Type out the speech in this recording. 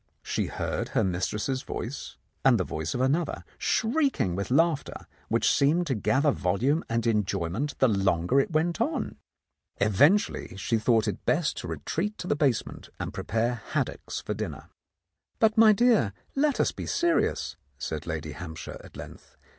She heard her mis tress's voice and the voice of another, shrieking with laughter, which seemed to gather volume and enjoy ment the longer it went on. Eventually she thought 22 The Countess of Lowndes Square best to retreat to the basement and prepare haddocks for dinner. "But, my dear, let us be serious," said Lady Hampshire at length.